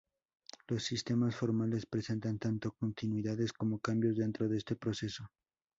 Los sistemas formales presentan tanto continuidades como cambios dentro de este proceso.